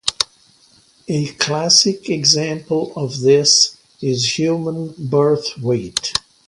A classic example of this is human birth weight.